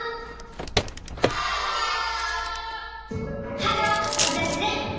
ハローわたしレイ！